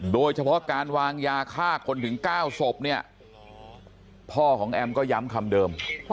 โดยเฉพาะการวางยาฆ่าคนถึง๙ศพเนี่ยพ่อของแอมก็ย้ำคำเดิม